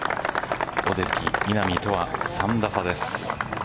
尾関、稲見とは３打差です。